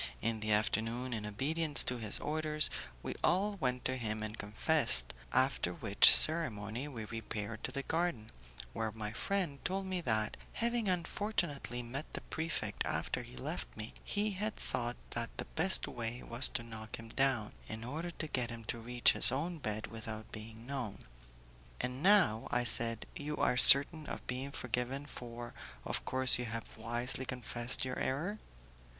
In the afternoon, in obedience to his orders, we all went to him and confessed, after which ceremony we repaired to the garden, where my friend told me that, having unfortunately met the prefect after he left me, he had thought that the best way was to knock him down, in order to get time to reach his own bed without being known. "And now," I said, "you are certain of being forgiven, for, of course, you have wisely confessed your error?"